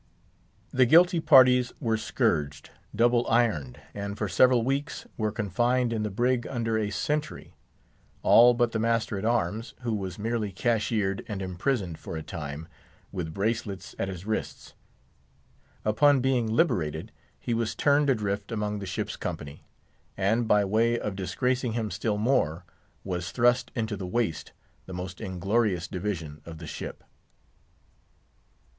The guilty parties were scourged, double ironed, and for several weeks were confined in the "brig" under a sentry; all but the master at arms, who was merely cashiered and imprisoned for a time; with bracelets at his wrists. Upon being liberated, he was turned adrift among the ship's company; and by way of disgracing him still more, was thrust into the waist, the most inglorious division of the ship.